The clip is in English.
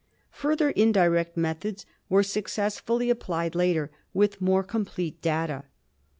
Further indirect methods were successfully applied later, with more complete data.